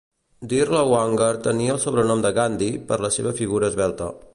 Dirlewanger tenia el sobrenom de "Gandhi" per la seva figura esvelta.